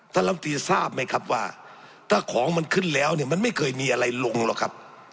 ลำตีทราบไหมครับว่าถ้าของมันขึ้นแล้วเนี่ยมันไม่เคยมีอะไรลงหรอกครับ